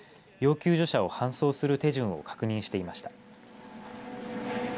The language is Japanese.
救助者を搬送する手順を確認していました。